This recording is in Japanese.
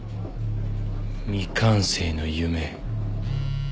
未完成の夢。